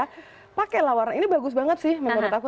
jadi pake lah warna ini bagus banget sih menurut aku